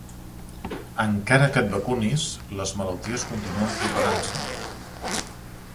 Encara que et vacunis, les malalties continuen propagant-se.